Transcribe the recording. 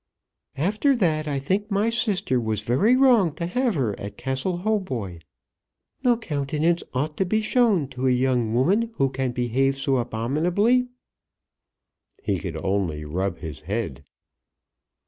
"After that I think my sister was very wrong to have her at Castle Hautboy. No countenance ought to be shown to a young woman who can behave so abominably." He could only rub his head.